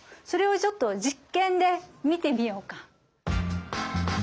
それをちょっと実験で見てみようか。